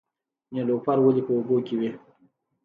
نیلوفر ولې په اوبو کې وي؟